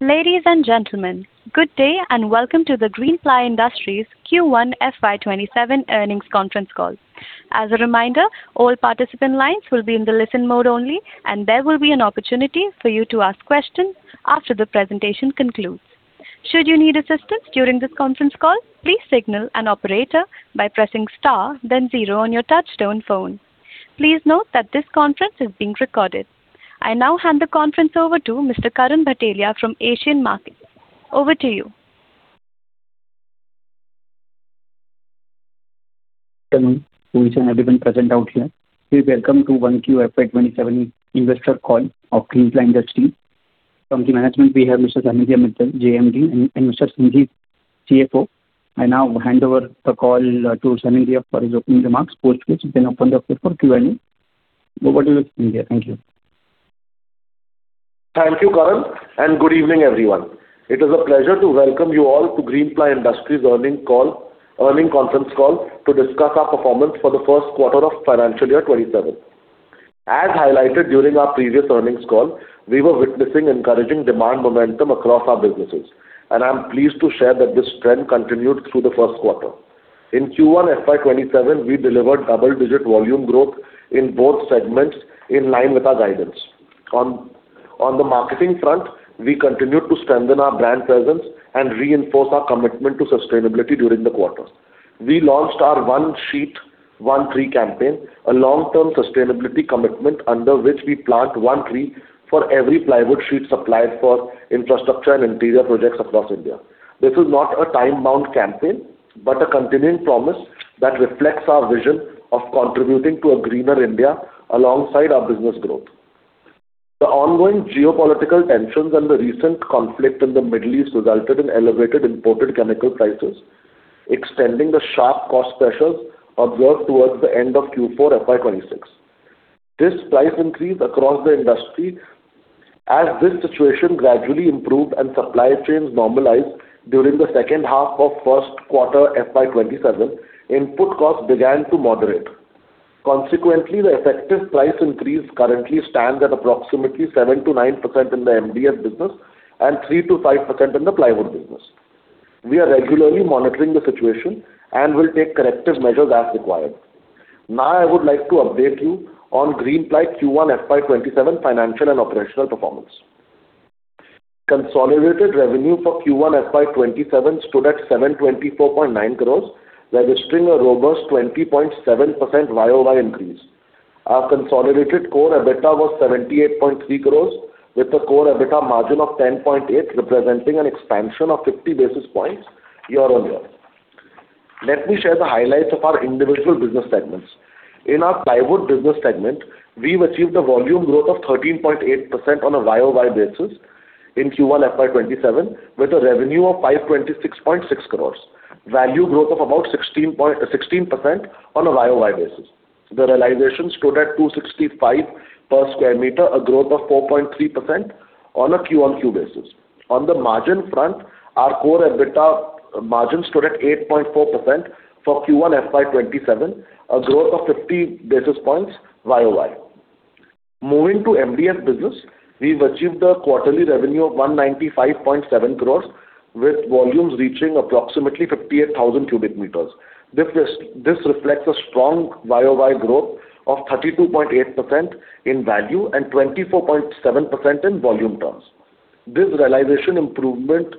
Ladies and gentlemen, good day and welcome to the Greenply Industries Q1 FY 2027 earnings conference call. As a reminder, all participant lines will be in the listen mode only, and there will be an opportunity for you to ask questions after the presentation concludes. Should you need assistance during this conference call, please signal an operator by pressing star then zero on your touchtone phone. Please note that this conference is being recorded. I now hand the conference over to Mr. Karan Bhatelia from Asian Markets. Over to you. Good evening, Usha, and everyone present out here. Welcome to Q1 FY 2027 investor call of Greenply Industries. From the management, we have Mr. Sanidhya Mittal, JMD, and Mr. Sanjiv, CFO. I now hand over the call to Sanidhya for his opening remarks, post which we then open the floor for Q&A. Over to you, Sanidhya. Thank you. Thank you, Karan, and good evening, everyone. It is a pleasure to welcome you all to Greenply Industries earning conference call to discuss our performance for the first quarter of financial year 2027. As highlighted during our previous earnings call, we were witnessing encouraging demand momentum across our businesses, and I'm pleased to share that this trend continued through the first quarter. In Q1 FY 2027, we delivered double-digit volume growth in both segments, in line with our guidance. On the marketing front, we continued to strengthen our brand presence and reinforce our commitment to sustainability during the quarter. We launched our One Sheet, One Tree campaign, a long-term sustainability commitment under which we plant one tree for every plywood sheet supplied for infrastructure and interior projects across India. This is not a time-bound campaign, but a continuing promise that reflects our vision of contributing to a greener India alongside our business growth. The ongoing geopolitical tensions and the recent conflict in the Middle East resulted in elevated imported chemical prices, extending the sharp cost pressures observed towards the end of Q4 FY 2026. This price increased across the industry. As this situation gradually improved and supply chains normalized during the second half of first quarter FY 2027, input costs began to moderate. Consequently, the effective price increase currently stands at approximately 7%-9% in the MDF business and 3%-5% in the plywood business. We are regularly monitoring the situation and will take corrective measures as required. Now I would like to update you on Greenply Q1 FY 2027 financial and operational performance. Consolidated revenue for Q1 FY 2027 stood at 724.9 crore, registering a robust 20.7% year-over-year increase. Our consolidated core EBITDA was 78.3 crores, with a core EBITDA margin of 10.8%, representing an expansion of 50 basis points year-on-year. Let me share the highlights of our individual business segments. In our plywood business segment, we've achieved a volume growth of 13.8% on a Y-o-Y basis in Q1 FY 2027, with a revenue of 526.6 crores, value growth of about 16% on a Y-o-Y basis. The realization stood at 265 per square meter, a growth of 4.3% on a Q-o-Q basis. On the margin front, our core EBITDA margin stood at 8.4% for Q1 FY 2027, a growth of 50 basis points Y-o-Y. Moving to MDF business, we've achieved a quarterly revenue of 195.7 crores with volumes reaching approximately 58,000 cu m. This reflects a strong Y-o-Y growth of 32.8% in value and 24.7% in volume terms. The realization improved from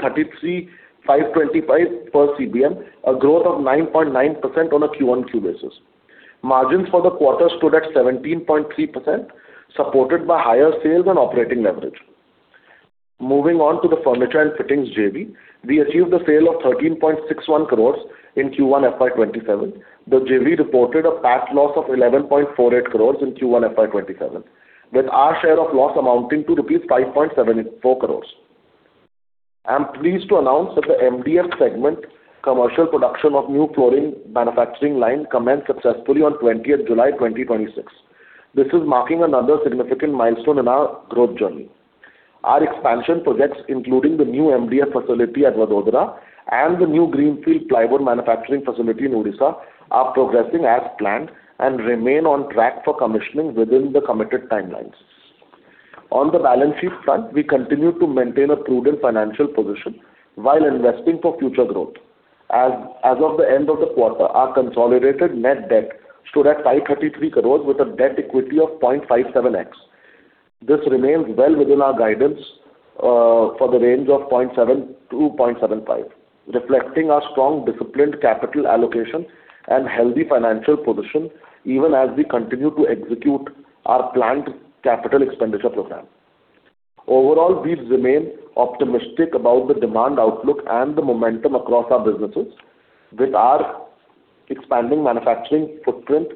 33,525 per CBM, a growth of 9.9% on a Q-o-Q basis. Margins for the quarter stood at 17.3%, supported by higher sales and operating leverage. Moving on to the furniture and fittings JV, we achieved a sale of 13.61 crores in Q1 FY 2027. The JV reported a PAT loss of 11.48 crores in Q1 FY 2027, with our share of loss amounting to 5.74 crores. I'm pleased to announce that the MDF segment commercial production of new flooring manufacturing line commenced successfully on 20th July 2026. This is marking another significant milestone in our growth journey. Our expansion projects, including the new MDF facility at Vadodara and the new greenfield plywood manufacturing facility in Odisha, are progressing as planned and remain on track for commissioning within the committed timelines. On the balance sheet front, we continue to maintain a prudent financial position while investing for future growth. As of the end of the quarter, our consolidated net debt stood at 533 crores with a debt equity of 0.57x. This remains well within our guidance, for the range of 0.7-0.75, reflecting our strong, disciplined CapEx allocation and healthy financial position, even as we continue to execute our planned CapEx program. Overall, we remain optimistic about the demand outlook and the momentum across our businesses. With our expanding manufacturing footprint,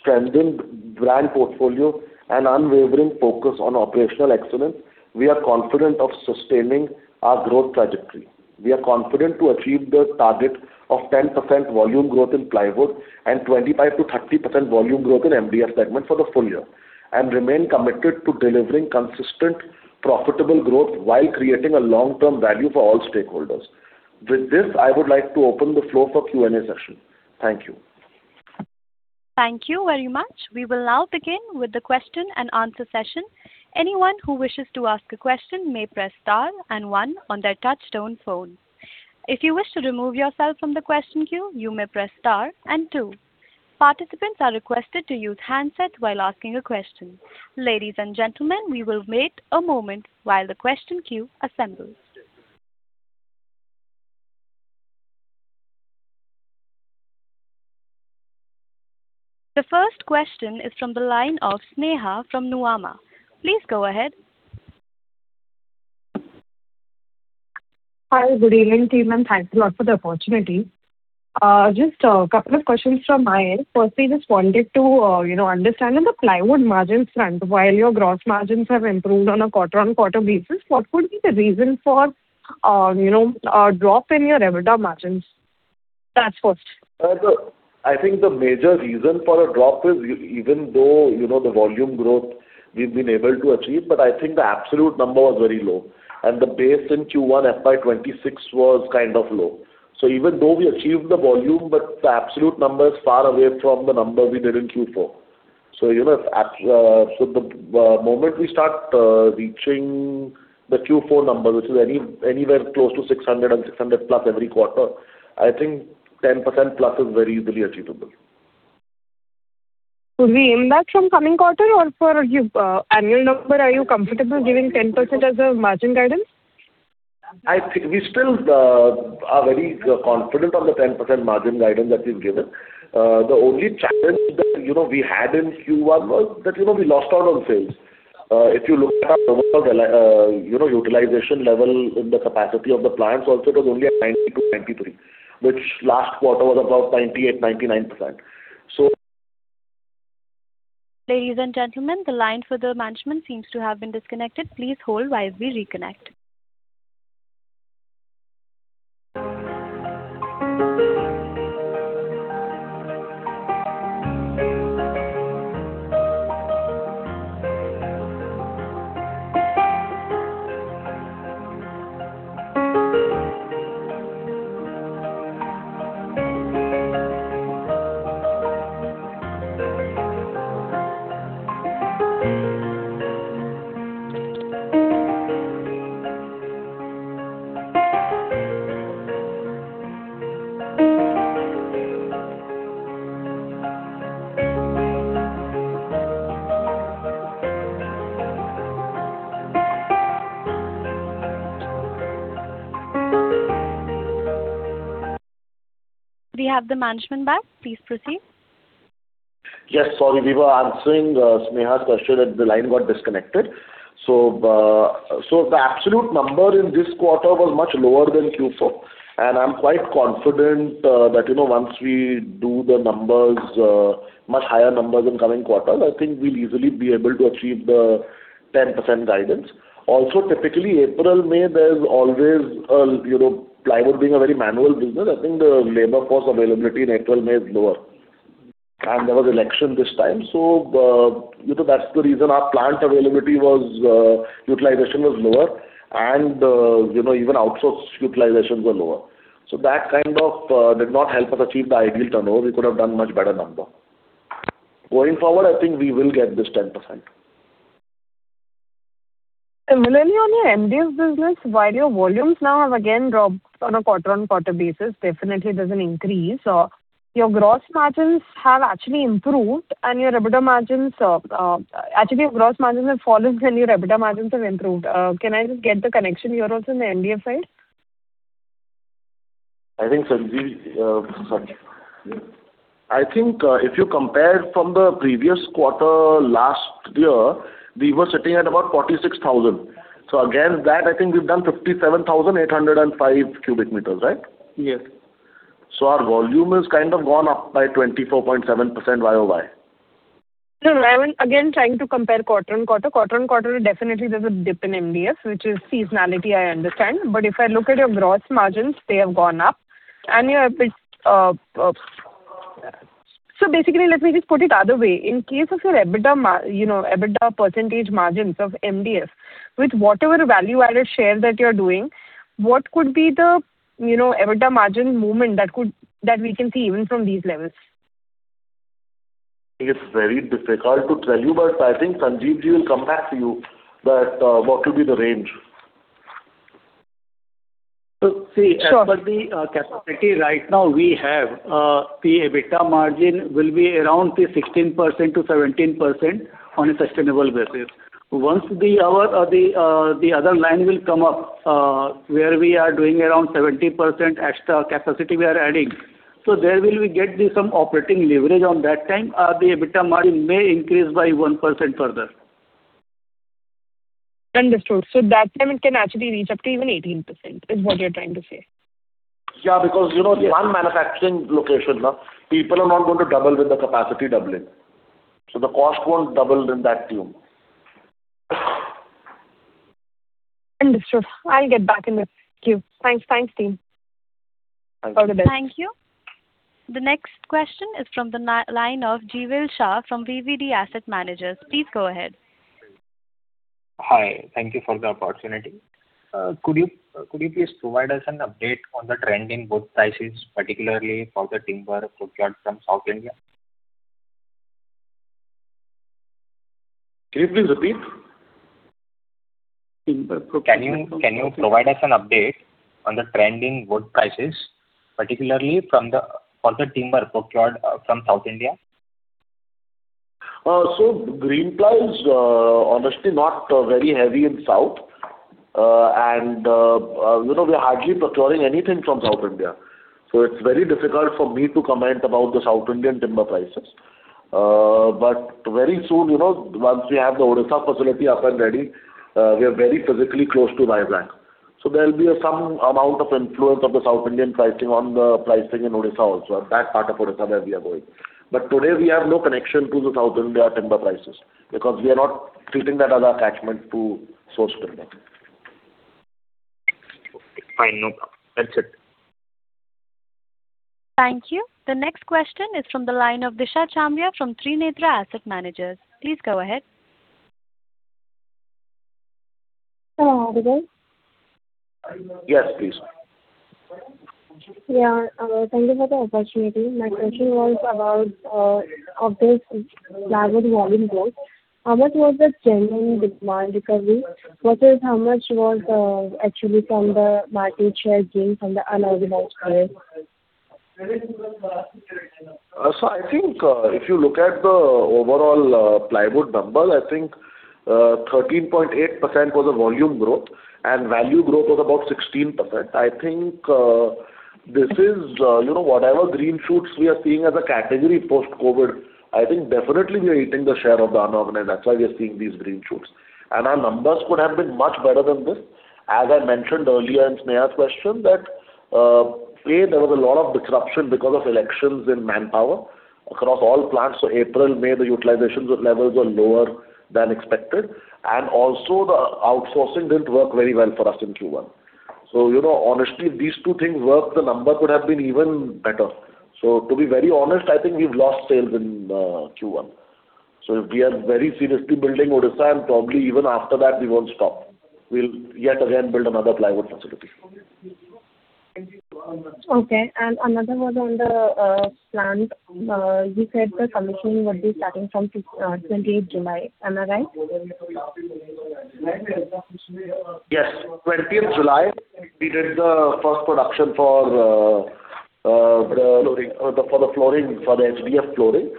strengthening brand portfolio, and unwavering focus on operational excellence, we are confident of sustaining our growth trajectory. We are confident to achieve the target of 10% volume growth in plywood and 25%-30% volume growth in MDF segment for the full year and remain committed to delivering consistent, profitable growth while creating a long-term value for all stakeholders. I would like to open the floor for Q&A session. Thank you. Thank you very much. We will now begin with the Q&A session. Anyone who wishes to ask a question may press star and one on their touch-tone phone. If you wish to remove yourself from the question queue, you may press star and two. Participants are requested to use handsets while asking a question. Ladies and gentlemen, we will wait a moment while the question queue assembles. The first question is from the line of Sneha from Nuvama. Please go ahead. Hi, good evening, team. Thanks a lot for the opportunity. Just a couple of questions from my end. Firstly, just wanted to understand on the plywood margins front, while your gross margins have improved on a quarter-on-quarter basis, what could be the reason for a drop in your EBITDA margins? That is first. I think the major reason for a drop is even though the volume growth we have been able to achieve, but I think the absolute number was very low, and the base in Q1 FY 2026 was kind of low. Even though we achieved the volume, but the absolute number is far away from the number we did in Q4. The moment we start reaching the Q4 number, which is anywhere close to 600 and 600+ every quarter, I think 10% plus is very easily achievable. Could we aim that from coming quarter or for annual number, are you comfortable giving 10% as a margin guidance? We still are very confident on the 10% margin guidance that we've given. The only challenge that we had in Q1 was that we lost out on sales. If you look at our overall utilization level in the capacity of the plants also, it was only at 92%, 93%, which last quarter was above 98%, 99%. Ladies and gentlemen, the line for the management seems to have been disconnected. Please hold while we reconnect. We have the management back. Please proceed. Yes, sorry. We were answering Sneha's question and the line got disconnected. The absolute number in this quarter was much lower than Q4, and I'm quite confident that once we do the much higher numbers in coming quarters, I think we'll easily be able to achieve the 10% guidance. Also, typically April, May, there's always a, plywood being a very manual business, I think the labor force availability in April, May is lower. There was election this time, so that's the reason our plant availability utilization was lower, and even outsourced utilizations were lower. That kind of did not help us achieve the ideal turnover. We could have done much better number. Going forward, I think we will get this 10%. Similarly, on your MDF business, while your volumes now have again dropped on a quarter-over-quarter basis, definitely it doesn't increase. Your gross margins have actually improved and your EBITDA margins Actually, your gross margins have fallen and your EBITDA margins have improved. Can I just get the connection here also in the MDF side? I think Sanjiv. Sure. I think if you compare from the previous quarter last year, we were sitting at about 46,000. Against that, I think we've done 57,805 cu m, right? Yes. Our volume is kind of gone up by 24.7% Y-o-Y. No, I'm again trying to compare quarter-on-quarter. Quarter-on-quarter definitely there's a dip in MDF, which is seasonality, I understand. If I look at your gross margins, they have gone up. Let me just put it other way. In case of your EBITDA percentage margins of MDF, with whatever value-added share that you're doing, what could be the EBITDA margin movement that we can see even from these levels? It's very difficult to tell you, but I think Sanjiv Keshri will come back to you that what will be the range. So see- Sure. as per the capacity right now we have, the EBITDA margin will be around say 16%-17% on a sustainable basis. Once the other line will come up, where we are doing around 70% extra capacity we are adding. There we will get some operating leverage on that time. The EBITDA margin may increase by 1% further. Understood. That time it can actually reach up to even 18%, is what you're trying to say. Yeah, because one manufacturing location, people are not going to double with the capacity doubling. The cost won't double in that tune. Understood. I'll get back in the queue. Thanks. Thanks, team. Have a good day. Thank you. The next question is from the line of Jeeval Shah from VVD Asset Managers. Please go ahead. Hi. Thank you for the opportunity. Could you please provide us an update on the trend in wood prices, particularly for the timber procured from South India? Can you please repeat? Timber procured from South India. Can you provide us an update on the trending wood prices, particularly for the timber procured from South India? Greenply is honestly not very heavy in South. We're hardly procuring anything from South India. It's very difficult for me to comment about the South Indian timber prices. Very soon, once we have the Odisha facility up and ready, we are very physically close to Vizag. There'll be some amount of influence of the South Indian pricing on the pricing in Odisha also, that part of Odisha where we are going. Today, we have no connection to the South India timber prices because we are not treating that as attachment to source timber. Okay, fine. No problem. That's it. Thank you. The next question is from the line of Disha Chamriya from Trinetra Asset Managers. Please go ahead. Hello. Are you there? Yes, please. Yeah. Thank you for the opportunity. My question was about, of this plywood volume growth, how much was the change in demand recovery versus how much was actually from the market share gained from the unorganized players? I think if you look at the overall plywood number, I think 13.8% was the volume growth and value growth was about 16%. This is whatever green shoots we are seeing as a category post-COVID, I think definitely we are eating the share of the unorganized. That's why we are seeing these green shoots. Our numbers could have been much better than this. As I mentioned earlier in Sneha's question, that, A, there was a lot of disruption because of elections in manpower across all plants. April, May, the utilization levels were lower than expected, and also the outsourcing didn't work very well for us in Q1. Honestly, if these two things work, the number could have been even better. To be very honest, I think we've lost sales in Q1. We are very seriously building Odisha, and probably even after that, we won't stop. We'll yet again build another plywood facility. Okay. Another was on the plant. You said the commissioning would be starting from 20th July. Am I right? Yes. 20th July, we did the first production for the- Flooring. for the MDF flooring.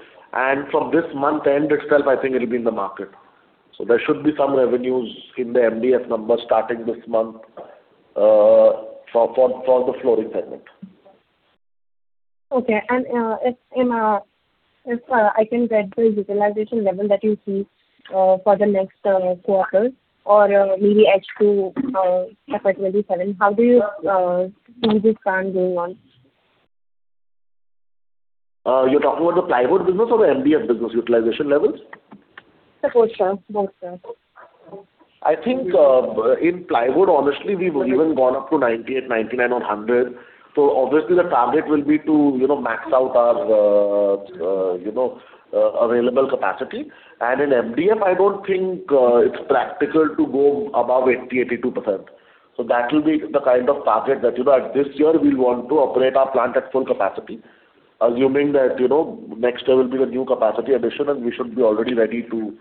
From this month-end itself, I think it'll be in the market. There should be some revenues in the MDF numbers starting this month for the flooring segment. Okay. If I can get the utilization level that you see for the next quarter or maybe H2 FY 2027, how do you see this plan going on? You're talking about the plywood business or the MDF business utilization levels? Both, sir. I think in plywood, honestly, we've even gone up to 98%, 99%, or 100%. Obviously the target will be to max out our available capacity. In MDF, I don't think it's practical to go above 80%, 82%. That will be the kind of target that at this year we'll want to operate our plant at full capacity, assuming that next year will be the new capacity addition, and we should be already ready to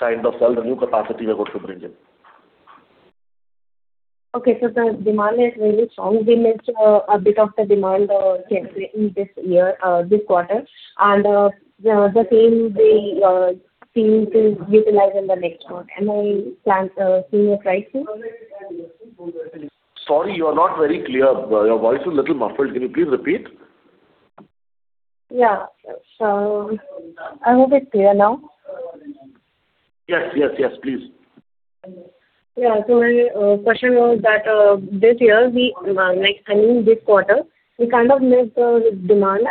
sell the new capacity we're going to bring in. Okay. The demand is very strong. We missed a bit of the demand in this quarter, the same we seem to utilize in the next one. Am I seeing it right, sir? Sorry, you are not very clear. Your voice is a little muffled. Can you please repeat? Yeah. Am I bit clear now? Yes. Please. Yeah. My question was that this year, I mean this quarter, we kind of missed demand,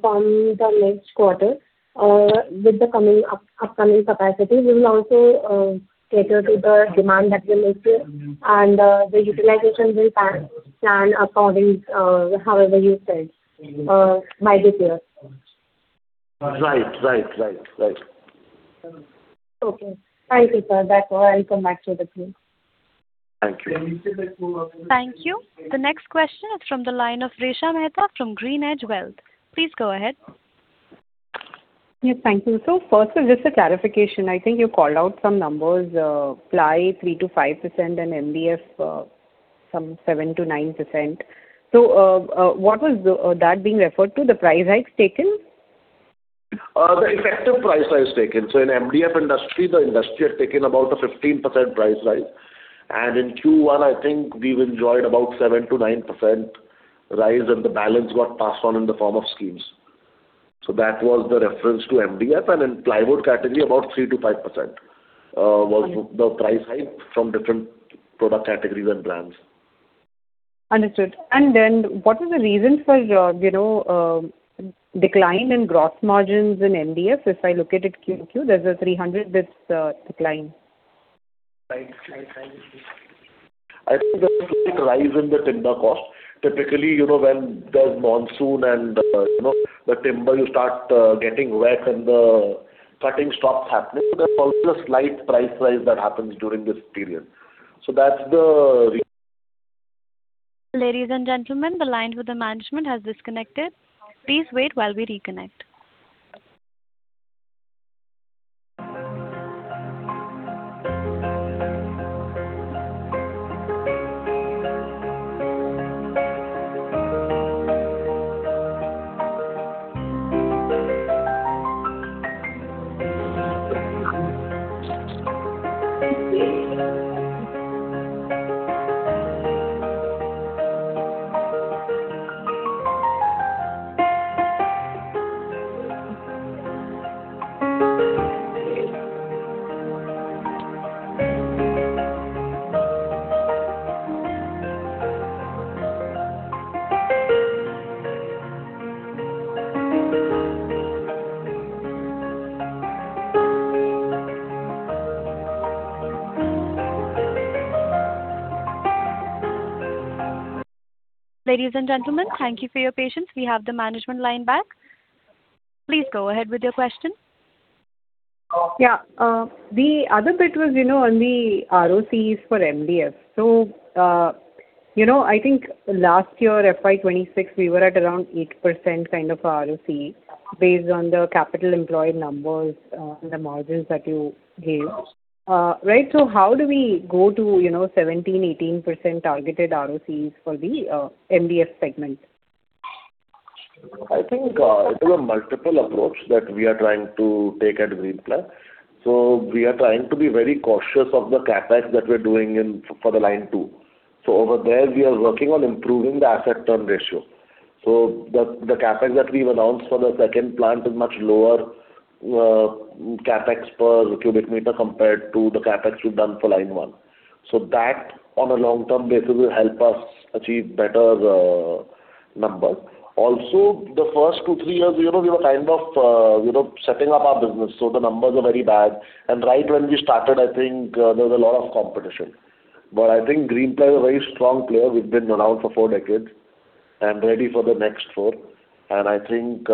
from the next quarter with the upcoming capacity, we will also cater to the demand that we missed here, the utilization will plan according however you said by this year. Right. Okay, thank you, sir. That's all. I'll come back to you with the Queue. Thank you. Thank you. The next question is from the line of Resha Mehta from GreenEdge Wealth. Please go ahead. Yes. Thank you. First, just a clarification. I think you called out some numbers, ply 3%-5% and MDF some 7%-9%. What was that being referred to? The price hikes taken? The effective price rise taken. In MDF industry, the industry had taken about a 15% price rise, and in Q1, I think we've enjoyed about 7%-9% rise, and the balance got passed on in the form of schemes. That was the reference to MDF, and in plywood category, about 3%-5% was the price hike from different product categories and brands. Understood. What is the reason for decline in gross margins in MDF? If I look at it Q-o-Q, there's a 300 basis points decline. Right. I think there's a slight rise in the timber cost. Typically, when there's monsoon and the timber you start getting wet and the cutting stops happening. There's always a slight price rise that happens during this period. Ladies and gentlemen, the line with the management has disconnected. Please wait while we reconnect. Ladies and gentlemen, thank you for your patience. We have the management line back. Please go ahead with your question. Yeah. The other bit was on the ROCEs for MDF. I think last year, FY 2026, we were at around 8% kind of ROCE based on the capital employed numbers, the margins that you gave. How do we go to 17%-18% targeted ROCEs for the MDF segment? I think it is a multiple approach that we are trying to take at Greenply. We are trying to be very cautious of the CapEx that we're doing for the line 2. Over there, we are working on improving the asset turn ratio. The CapEx that we've announced for the second plant is much lower CapEx per cubic meter compared to the CapEx we've done for line 1. That on a long-term basis will help us achieve better numbers. Also, the first two, three years we were kind of setting up our business. The numbers are very bad. Right when we started, I think there was a lot of competition. I think Greenply is a very strong player. We've been around for four decades and ready for the next four. I think,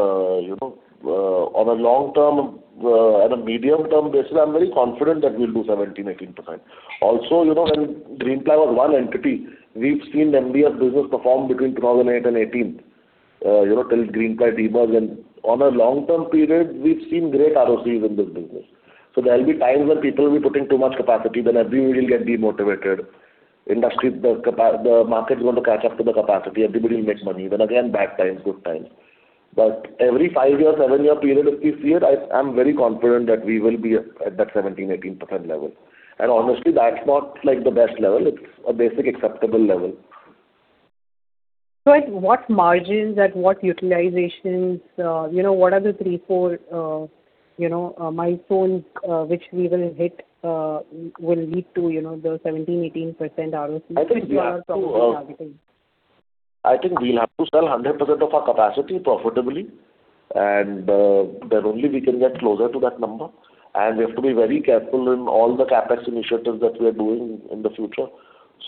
on a long term and a medium-term basis, I'm very confident that we'll do 17%, 18%. When Greenply was one entity, we've seen MDF business perform between 2008 and 2018 till Greenply demerged. On a long-term period, we've seen great ROCEs in this business. There'll be times when people will be putting too much capacity, then everyone will get demotivated. The market is going to catch up to the capacity. Everybody will make money. Again, bad times, good times. Every five year, seven year period if you see it, I'm very confident that we will be at that 17%, 18% level. Honestly, that's not the best level. It's a basic acceptable level. Right. What margins at what utilizations what are the three, four milestones which we will hit will lead to the 17%, 18% ROCE- I think we have to- which you are probably targeting? I think we'll have to sell 100% of our capacity profitably, then only we can get closer to that number. We have to be very careful in all the CapEx initiatives that we are doing in the future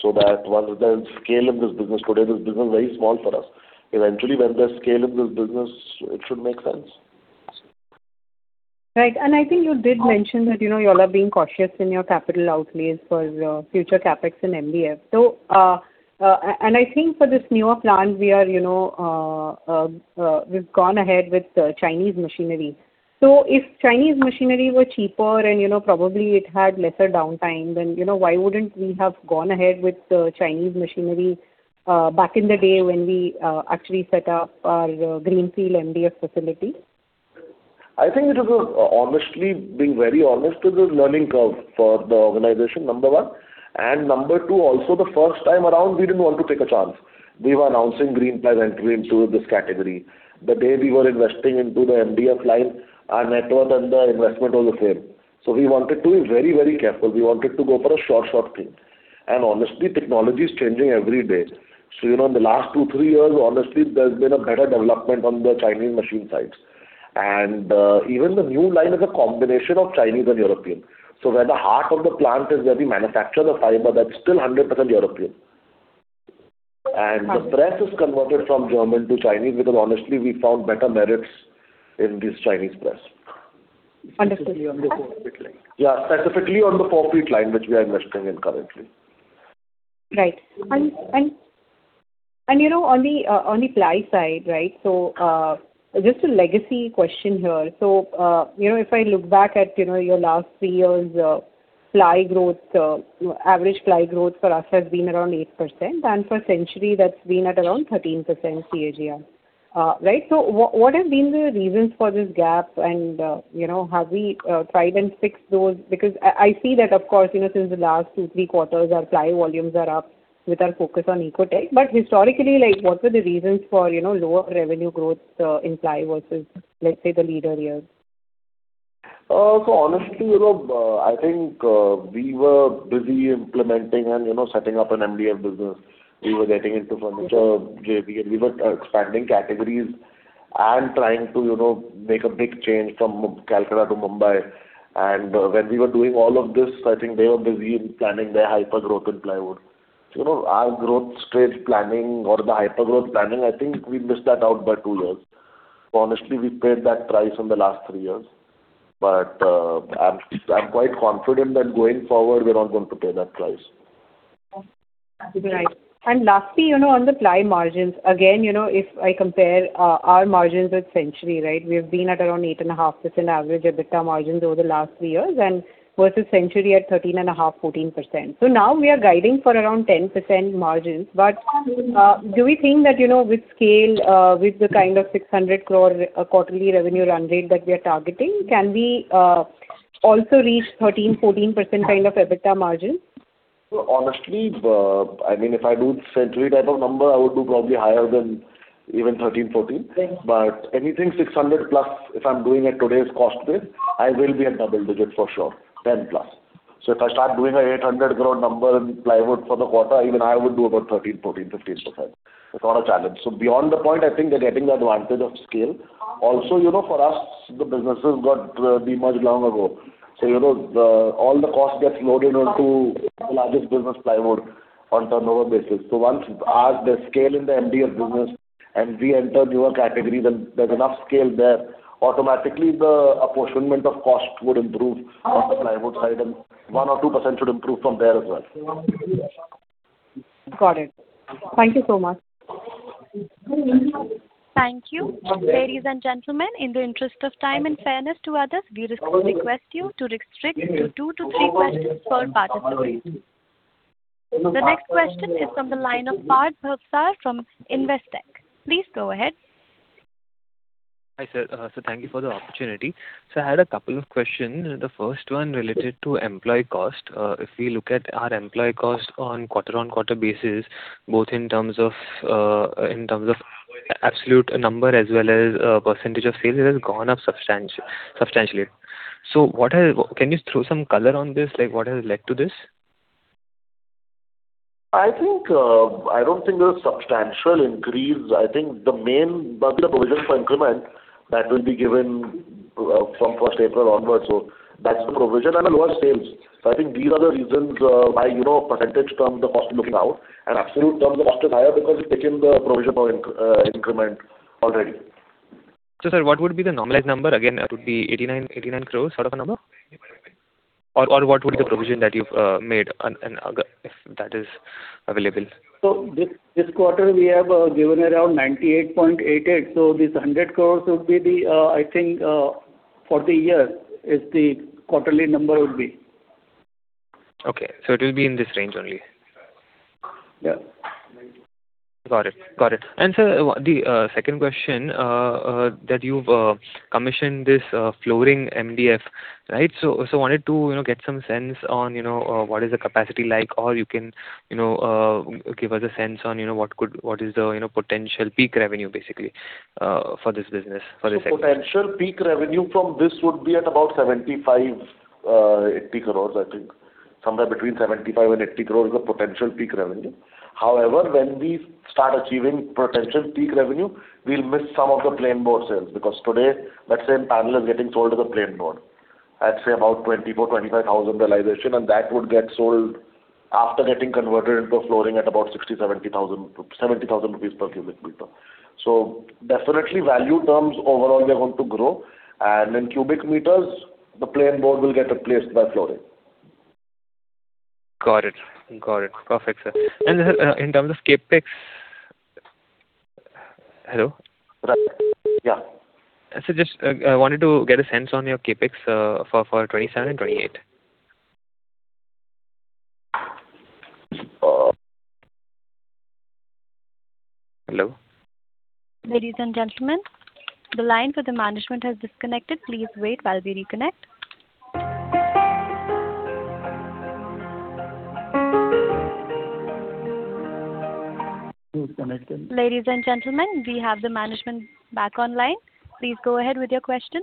so that once there is scale in this business, it should make sense. Today, this business is very small for us. Eventually, when the scale of the business should make sence. Right. I think you did mention that you all are being cautious in your capital outlays for future CapEx in MDF. I think for this newer plant we've gone ahead with Chinese machinery. If Chinese machinery were cheaper and probably it had lesser downtime, then why wouldn't we have gone ahead with the Chinese machinery back in the day when we actually set up our greenfield MDF facility? I think it was, being very honest, it was a learning curve for the organization, number one. Number two, also the first time around, we didn't want to take a chance. We were announcing Greenply's entry into this category. The day we were investing into the MDF line, our net worth and the investment was the same. We wanted to be very careful. We wanted to go for a sure thing. Honestly, technology is changing every day. In the last two, three years, honestly, there's been a better development on the Chinese machine sides. Even the new line is a combination of Chinese and European. Where the heart of the plant is where we manufacture the fiber, that's still 100% European. The press is converted from German to Chinese because honestly, we found better merits in this Chinese press. Understood. Specifically on the 4 ft line. Yeah, specifically on the 4 ft line, which we are investing in currently. Right. On the ply side. Just a legacy question here. If I look back at your last three years of ply growth, average ply growth for us has been around 8%, and for Century, that's been at around 13% CAGR. What have been the reasons for this gap and have we tried and fixed those? Because I see that of course since the last two, three quarters our ply volumes are up with our focus on Ecotec. Historically, what were the reasons for lower revenue growth in ply versus let's say the leader here? Honestly, I think we were busy implementing and setting up an MDF business. We were getting into furniture JV, and we were expanding categories And trying to make a big change from Kolkata to Mumbai. When we were doing all of this, I think they were busy in planning their hypergrowth in plywood. Our growth stage planning or the hypergrowth planning, I think we missed that out by two years. Honestly, we paid that price in the last three years. I'm quite confident that going forward, we're not going to pay that price. Absolutely right. Lastly, on the ply margins, again, if I compare our margins with Century. We have been at around 8.5% average EBITDA margins over the last three years and versus Century at 13.5%, 14%. Now we are guiding for around 10% margins. Do we think that with scale, with the kind of 600 crore quarterly revenue run rate that we are targeting, can we also reach 13%, 14% kind of EBITDA margins? Honestly, if I do Century type of number, I would do probably higher than even 13%, 14%. Anything 600+, if I'm doing at today's cost base, I will be at double digit for sure, 10+. If I start doing an 800 crore number in plywood for the quarter, even I would do about 13%, 14%, 15%. It's not a challenge. Beyond the point, I think they're getting the advantage of scale. Also, for us, the businesses got demerged long ago. All the cost gets loaded onto the largest business, plywood, on turnover basis. Once as they scale in the MDF business and we enter newer categories and there's enough scale there, automatically the apportionment of cost would improve on the plywood side, and 1% or 2% should improve from there as well. Got it. Thank you so much. Thank you. Ladies and gentlemen, in the interest of time and fairness to others, we request you to restrict to two to three questions per participant. The next question is from the line of Parth Bhavsar from Investec. Please go ahead. Hi, sir. Thank you for the opportunity. I had a couple of questions. The first one related to employee cost. If we look at our employee cost on quarter-on-quarter basis, both in terms of absolute number as well as percentage of sales, it has gone up substantially. Can you throw some color on this? What has led to this? I don't think there's substantial increase. I think partly the provision for increment that will be given from 1st April onwards. That's the provision and lower sales. I think these are the reasons why percentage from the cost looking out and absolute terms it has to be higher because we've taken the provision for increment already. Sir, what would be the normalized number? Again, that would be 89 crore sort of a number? Or what would be the provision that you've made if that is available? This quarter we have given around 98.88 crore. This 100 crore would be the, I think, for the year is the quarterly number would be. Okay, it will be in this range only. Yeah. Got it. Sir, the second question that you've commissioned this flooring MDF. Wanted to get some sense on what is the capacity like or you can give us a sense on what is the potential peak revenue basically for this business, for this sector. Potential peak revenue from this would be at about 75 crore, 80 crore, I think. Somewhere between 75 crore and 80 crore is the potential peak revenue. However, when we start achieving potential peak revenue, we'll miss some of the plain board sales because today, let's say a panel is getting sold to the plain board at, say about 24,000, 25,000 realization, and that would get sold after getting converted into flooring at about 60,000, 70,000 rupees per cubic meter. Definitely value terms overall we are going to grow. In cubic meters, the plain board will get replaced by flooring. Got it. Perfect, sir. In terms of CapEx. Hello? Yeah. Sir, just wanted to get a sense on your CapEx for 2027 and 2028. Hello? Ladies and gentlemen, the line for the management has disconnected. Please wait while we reconnect. Ladies and gentlemen, we have the management back online. Please go ahead with your question.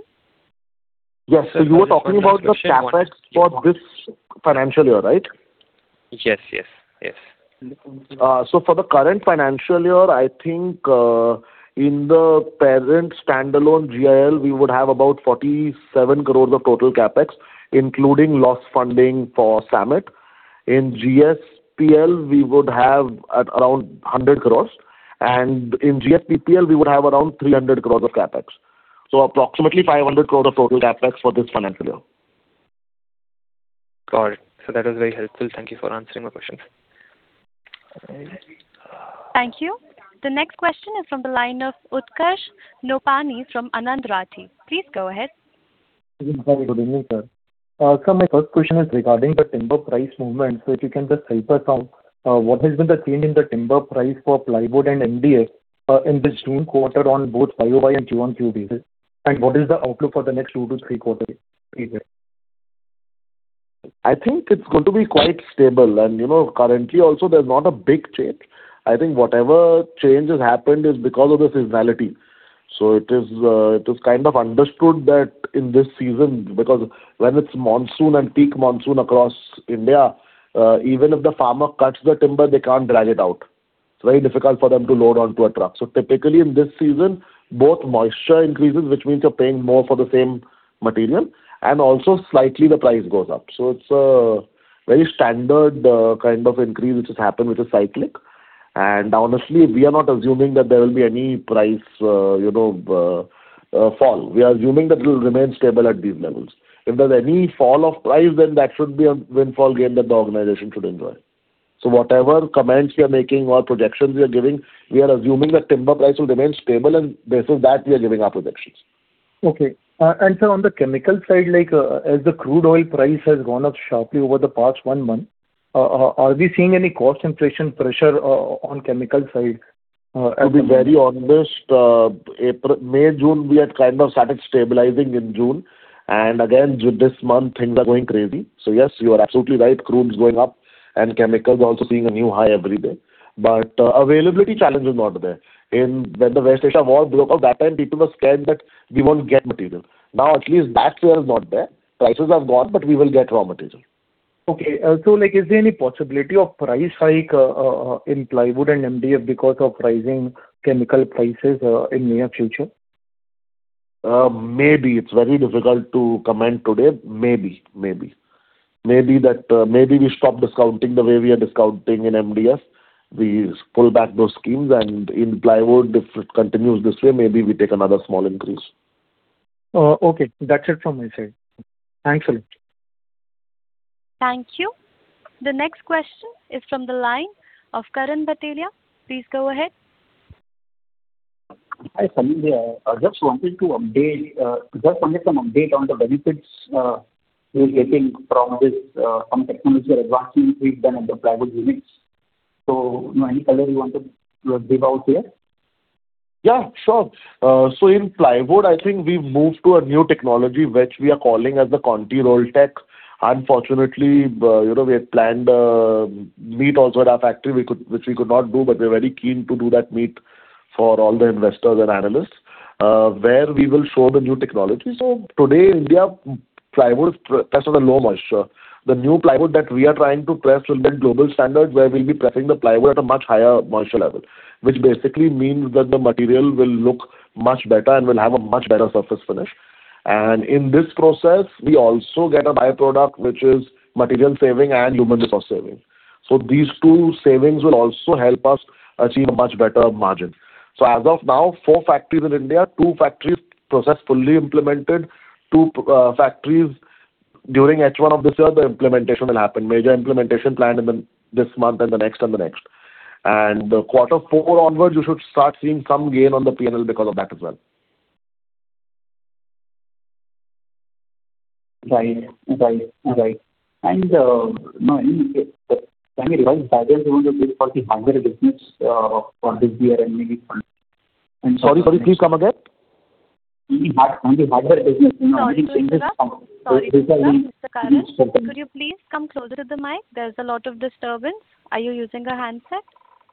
Yes. You were talking about the CapEx for this financial year, right? Yes. For the current financial year, I think in the parent standalone GIL, we would have about 47 crore of total CapEx, including loss funding for Samet. In GSPL, we would have at around 100 crore. In GSPPL, we would have around 300 crore of CapEx. Approximately 500 crore of total CapEx for this financial year. Got it. Sir, that is very helpful. Thank you for answering my questions. Thank you. The next question is from the line of Utkarsh Nopany from Anand Rathi. Please go ahead. Good evening, sir. Sir, my first question is regarding the timber price movement. If you can just decipher some, what has been the change in the timber price for plywood and MDF in this June quarter on both Y-o-Y and Q1 2026-2027 basis, and what is the outlook for the next two to three quarterly periods? I think it's going to be quite stable. Currently also there's not a big change. I think whatever change has happened is because of the seasonality. It is kind of understood that in this season, because when it's monsoon and peak monsoon across India Even if the farmer cuts the timber, they can't drag it out. It's very difficult for them to load onto a truck. Typically, in this season, both moisture increases, which means you're paying more for the same material, and also slightly the price goes up. It's a very standard kind of increase which has happened, which is cyclic. Honestly, we are not assuming that there will be any price fall. We are assuming that it will remain stable at these levels. If there's any fall of price, then that should be a windfall gain that the organization should enjoy. Whatever comments we are making or projections we are giving, we are assuming that timber price will remain stable, and based on that, we are giving our projections. Okay. Sir, on the chemical side, as the crude oil price has gone up sharply over the past one month, are we seeing any cost inflation pressure on chemical side as well? To be very honest, May, June, we had kind of started stabilizing in June. Again, this month, things are going crazy. Yes, you are absolutely right, crude is going up and chemicals are also seeing a new high every day. Availability challenge is not there. When the Russia-Ukraine war broke out, that time people were scared that we won't get material. Now, at least that fear is not there. Prices have gone up, we will get raw material. Okay. Is there any possibility of price hike in plywood and MDF because of rising chemical prices in near future? Maybe. It's very difficult to comment today. Maybe. Maybe we stop discounting the way we are discounting in MDF. We pull back those schemes, in plywood, if it continues this way, maybe we take another small increase. Okay. That's it from my side. Thanks, Sanidhya. Thank you. The next question is from the line of Karan Bhatelia. Please go ahead. Hi, Sanidhya. Just wanted some update on the benefits you're getting from this, some technology advancement you've done at the plywood units. Any color you want to give out here? Yeah, sure. In plywood, I think we've moved to a new technology, which we are calling as the ContiRoll. Unfortunately, we had planned a meet also at our factory, which we could not do, but we're very keen to do that meet for all the investors and analysts, where we will show the new technology. Today, India plywood is pressed at a low moisture. The new plywood that we are trying to press will be at global standards where we'll be pressing the plywood at a much higher moisture level, which basically means that the material will look much better and will have a much better surface finish. In this process, we also get a by-product, which is material saving and human resource saving. These two savings will also help us achieve a much better margin. As of now, four factories in India, two factories process fully implemented, two factories during H1 of this year, the implementation will happen. Major implementation planned in this month and the next and the next. Quarter four onwards, you should start seeing some gain on the P&L because of that as well. Right. Sanidhya, revised guidance you want to give for the hardware business for this year and maybe Sorry, please come again. In the hardware business. Sorry, Mr. Karan. Could you please come closer to the mic? There is a lot of disturbance. Are you using a handset?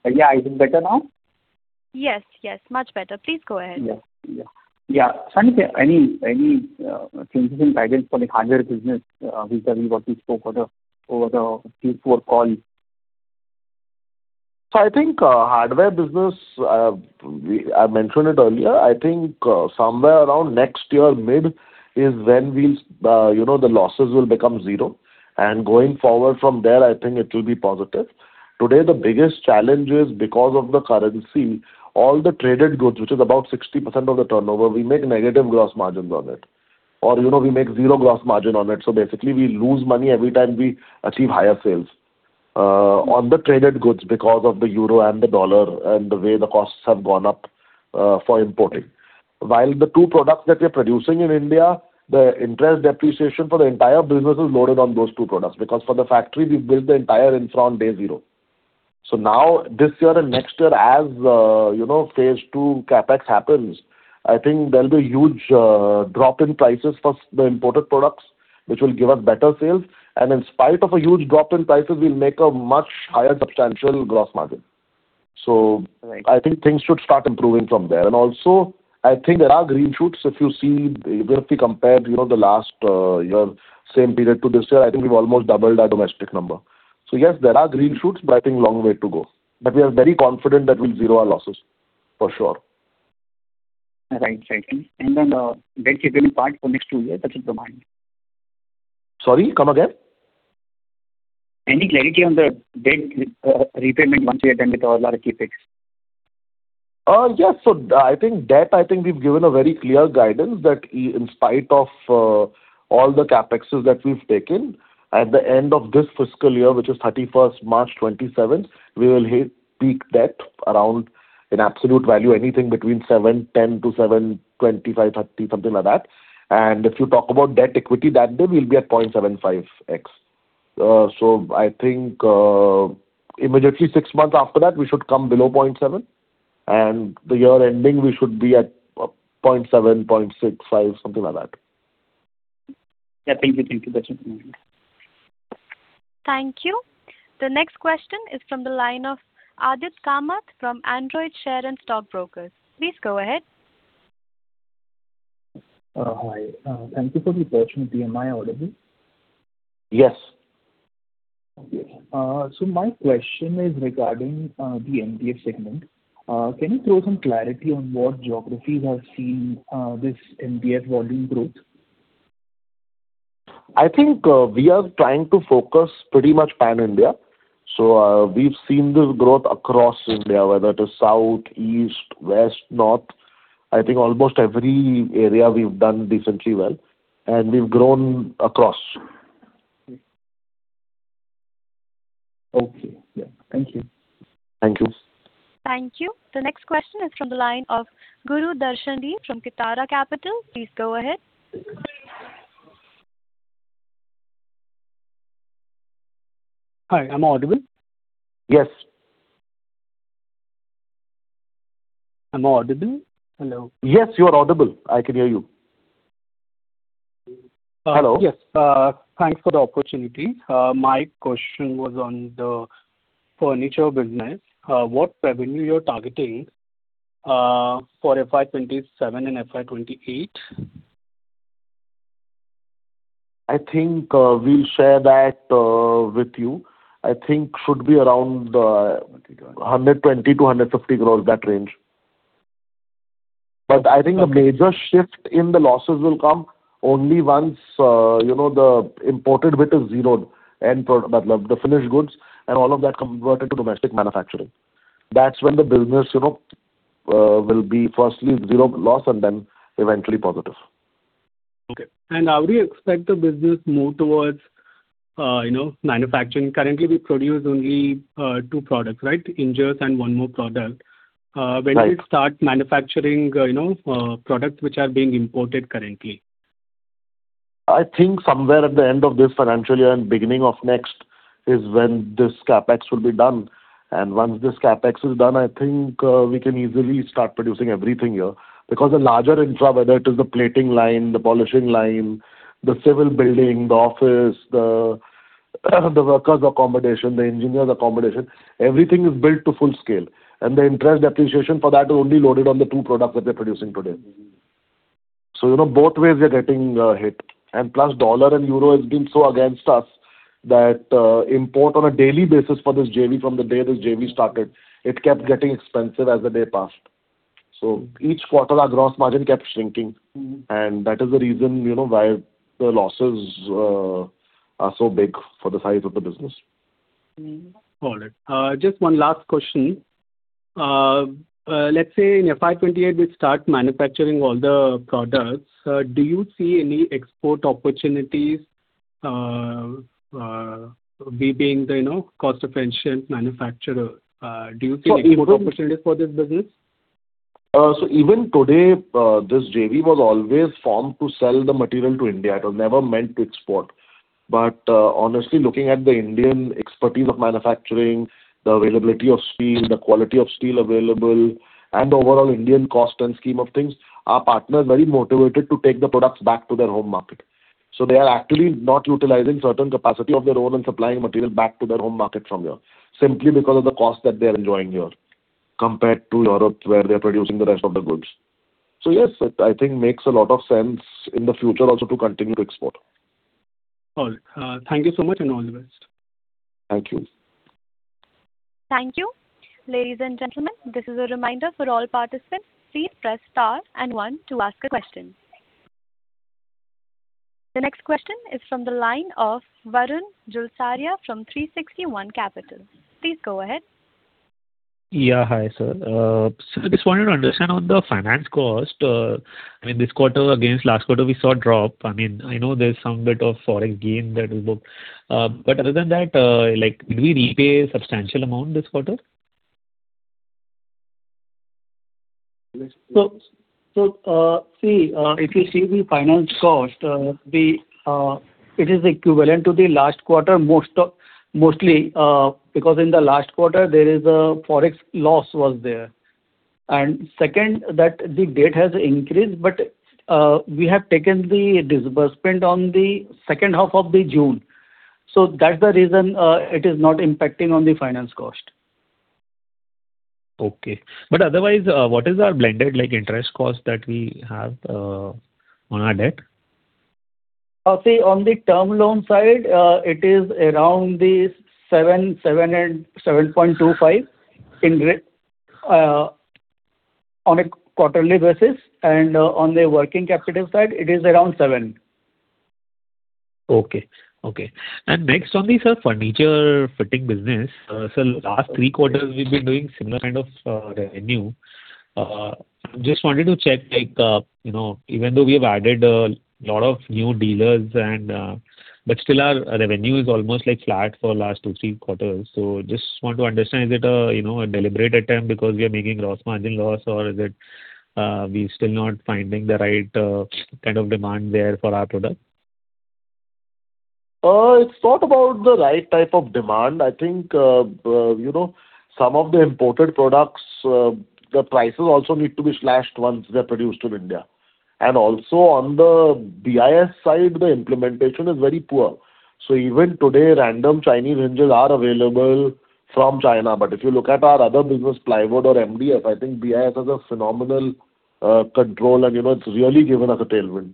Yeah. Is it better now? Yes, much better. Please go ahead. Yeah. Sanidhya, any changes in guidance for the hardware business vis-a-vis what you spoke over the Q4 call? I think hardware business, I mentioned it earlier, I think somewhere around next year mid is when the losses will become zero. Going forward from there, I think it will be positive. Today, the biggest challenge is because of the currency, all the traded goods, which is about 60% of the turnover, we make negative gross margins on it. We make zero gross margin on it. Basically, we lose money every time we achieve higher sales on the traded goods because of the euro and the dollar and the way the costs have gone up for importing. While the two products that we're producing in India, the interest depreciation for the entire business is loaded on those two products, because for the factory, we've built the entire infra on day zero. Now, this year and next year as phase 2 CapEx happens, I think there'll be a huge drop in prices for the imported products, which will give us better sales. In spite of a huge drop in prices, we'll make a much higher substantial gross margin. Right. I think things should start improving from there. Also, I think there are green shoots. If you see, if we compare the last year same period to this year, I think we've almost doubled our domestic number. Yes, there are green shoots, but I think long way to go. We are very confident that we'll zero our losses, for sure. Right. Debt repayment part for next two years, that's in the mind. Sorry, come again. Any clarity on the debt repayment once you are done with all CapEx? Yeah. I think debt, we've given a very clear guidance that in spite of all the CapExes that we've taken, at the end of this fiscal year, which is 31st March 2027, we will hit peak debt around an absolute value, anything between 710-725, 730, something like that. If you talk about debt equity that day, we'll be at 0.75x. I think immediately six months after that, we should come below 0.7x, and the year-ending, we should be at 0.7x, 0.65x, something like that. Yeah. Thank you. That's it from me. Thank you. The next question is from the line of Aditya Kamath from Anand Rathi Share and Stock Brokers. Please go ahead. Hi. Thank you for the opportunity. Am I audible? Yes. Okay. My question is regarding the MDF segment. Can you throw some clarity on what geographies have seen this MDF volume growth? I think we are trying to focus pretty much pan-India. We've seen this growth across India, whether it is south, east, west, north. I think almost every area we've done decently well, and we've grown across. Okay. Yeah. Thank you. Thank you. Thank you. The next question is from the line of Guru Darshan D from Kitara Capital. Please go ahead. Hi, am I audible? Yes. Am I audible? Hello. Yes, you are audible. I can hear you. Hello. Yes. Thanks for the opportunity. My question was on the furniture business. What revenue you're targeting for FY 2027 and FY 2028? I think we'll share that with you. I think should be around 120 crores-150 crores, that range. I think a major shift in the losses will come only once the imported bit is zeroed, the finished goods and all of that converted to domestic manufacturing. That's when the business will be firstly zero loss and then eventually positive. Okay. How do you expect the business move towards manufacturing? Currently, we produce only two products, right? Hinges and one more product. Right. When will you start manufacturing products which are being imported currently? I think somewhere at the end of this financial year and beginning of next is when this CapEx will be done. Once this CapEx is done, I think we can easily start producing everything here because the larger infra, whether it is the plating line, the polishing line, the civil building, the office, the workers' accommodation, the engineers' accommodation, everything is built to full scale, and the interest depreciation for that is only loaded on the two products that we're producing today. You know, both ways we are getting hit. Plus dollar and euro has been so against us that import on a daily basis for this JV, from the day this JV started, it kept getting expensive as the day passed. Each quarter our gross margin kept shrinking. That is the reason why the losses are so big for the size of the business. Got it. Just one last question. Let's say in FY 2028 we start manufacturing all the products, do you see any export opportunities, we being the cost-efficient manufacturer? Do you see any export opportunities for this business? Even today, this JV was always formed to sell the material to India. It was never meant to export. Honestly, looking at the Indian expertise of manufacturing, the availability of steel, the quality of steel available, and the overall Indian cost and scheme of things, our partner is very motivated to take the products back to their home market. They are actually not utilizing certain capacity of their own and supplying material back to their home market from here, simply because of the cost that they are enjoying here compared to Europe where they're producing the rest of the goods. Yes, I think makes a lot of sense in the future also to continue to export. Got it. Thank you so much and all the best. Thank you. Thank you. Ladies and gentlemen, this is a reminder for all participants, please press star and one to ask a question. The next question is from the line of Varun Julsaria from 360 ONE Capital. Please go ahead. Yeah, hi sir. Sir, just wanted to understand on the finance cost. I mean, this quarter against last quarter we saw a drop. I know there's some bit of Forex gain that we booked. Other than that, did we repay a substantial amount this quarter? See, if you see the finance cost, it is equivalent to the last quarter mostly, because in the last quarter, there is a Forex loss was there. Second, that the debt has increased, we have taken the disbursement on the second half of the June. That's the reason it is not impacting on the finance cost. Okay. Otherwise, what is our blended interest cost that we have on our debt? On the term loan side, it is around the 7.25% on a quarterly basis. On the working capital side, it is around 7%. Okay. Next on the furniture fitting business. Sir, last three quarters, we've been doing similar kind of revenue. Just wanted to check, even though we have added a lot of new dealers, but still our revenue is almost flat for last two, three quarters. Just want to understand, is it a deliberate attempt because we are making gross margin loss or is it we're still not finding the right kind of demand there for our product? It's not about the right type of demand. I think some of the imported products, the prices also need to be slashed once they're produced in India. Also on the BIS side, the implementation is very poor. Even today, random Chinese hinges are available from China. If you look at our other business, plywood or MDF, I think BIS has a phenomenal control and it's really given us a tailwind.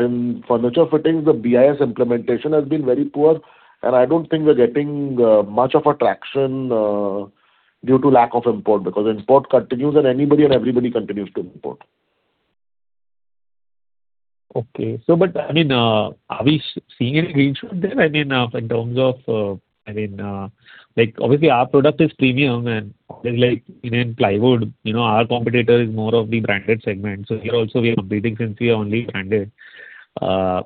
In furniture fittings, the BIS implementation has been very poor and I don't think we're getting much of a traction due to lack of import because import continues and anybody and everybody continues to import. Okay. Are we seeing any green shoot there in terms of? Obviously our product is premium and there's like even plywood, our competitor is more of the branded segment. Here also we are competing since we are only branded. Even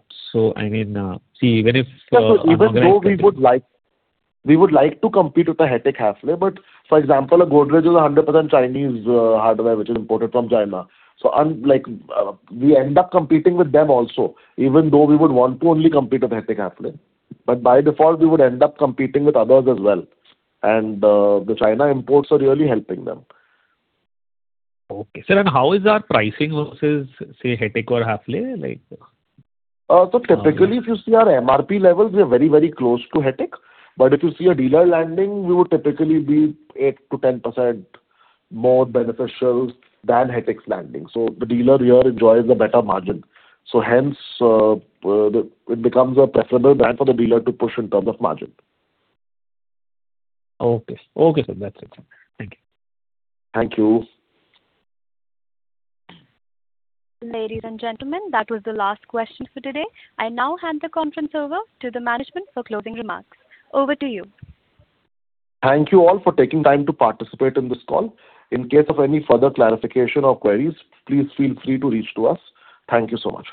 if Even though we would like to compete with the Hettich, Häfele, for example, Godrej is 100% Chinese hardware which is imported from China. We end up competing with them also, even though we would want to only compete with Hettich, Häfele. By default we would end up competing with others as well. The China imports are really helping them. Okay. Sir, how is our pricing versus, say, Hettich or Häfele? Typically if you see our MRP levels, we are very close to Hettich. If you see a dealer landing, we would typically be 8%-10% more beneficial than Hettich's landing. The dealer here enjoys a better margin, hence it becomes a preferable brand for the dealer to push in terms of margin. Okay, sir. That's it. Thank you. Thank you. Ladies and gentlemen, that was the last question for today. I now hand the conference over to the management for closing remarks. Over to you. Thank you all for taking time to participate in this call. In case of any further clarification or queries, please feel free to reach to us. Thank you so much.